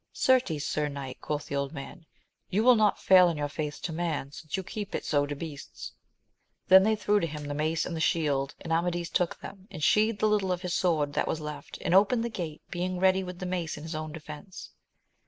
Certes, sir knight, quoth the old man, you will not fail in your faith to man, since you keep it so to beasts. Then they threw to him the mace and shield, and Amadis took them, and sheathed the little of his sword that was left, and opened the gate, being ready with the mace in his own defence.